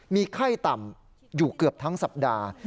มีไข้ต่ำอยู่เกือบทั้งสัปดาห์